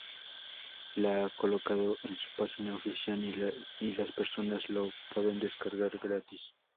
Lo ha colocado en su página oficial, y las personas lo pueden descargar gratis.